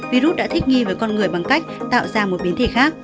virus đã thích nghi với con người bằng cách tạo ra một biến thể khác